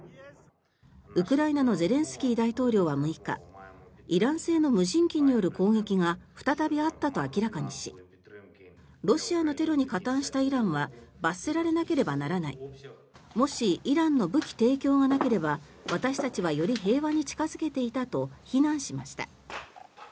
ウクライナのゼレンスキー大統領は６日イラン製の無人機による攻撃が再びあったと明らかにしロシアのテロに加担したイランは罰せられなければならないもしイランの武器提供がなければ私たちはより平和に近付けていたと非難しました。